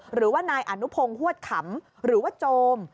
หรือว่านายอนุพงศ์ฮวดขำหรือว่าโจม